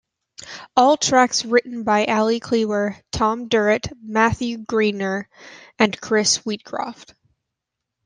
All tracks written by Ali Clewer, Tom Derrett, Matthew Greener and Chris Wheatcroft.